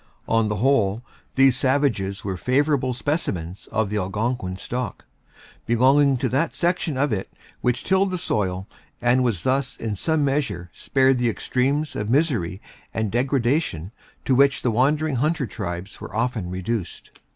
On the whole, these savages were favorable specimens of the Algonquin stock, belonging to that section of it which tilled the soil, and was thus in some measure spared the extremes of misery and degradation to which the wandering hunter tribes were often reduced.